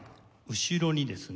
後ろにですね